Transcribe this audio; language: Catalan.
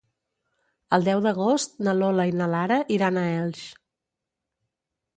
El deu d'agost na Lola i na Lara iran a Elx.